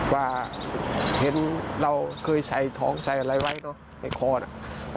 ว่าเห็นเราเคยใส่ของใส่อะไรไว้เนอะในคอน่ะ